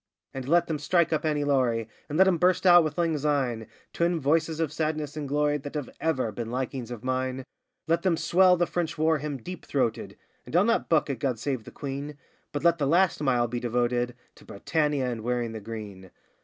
And let them strike up 'Annie Laurie,' And let 'em burst out with 'Lang Syne,' Twin voices of sadness and glory That have ever been likings of mine. Let them swell the French war hymn deep throated (And I'll not buck at 'God Save the Queen'), But let the last mile be devoted To 'Britannia' and 'Wearing the Green.